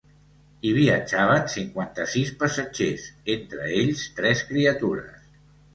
Hi viatjaven cinquanta-sis passatgers, entre ells tres criatures.